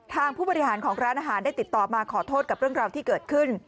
ผู้บริหารของร้านอาหารได้ติดต่อมาขอโทษกับเรื่องราวที่เกิดขึ้น